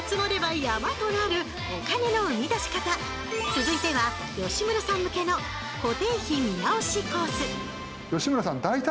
続いては吉村さん向けの「固定費見直しコース」